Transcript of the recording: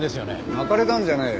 まかれたんじゃねえよ。